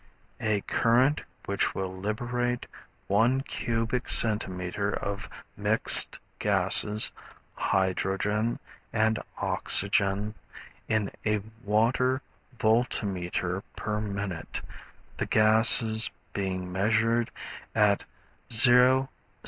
A current which will liberate one cubic centimeter of mixed gases (hydrogen and oxygen) in a water voltameter per minute, the gases being measured at 0ş C.